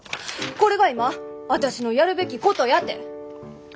これが今私のやるべきことやて！